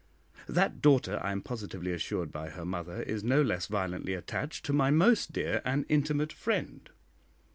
That daughter, I am positively assured by her mother, is no less violently attached to my most dear and intimate friend.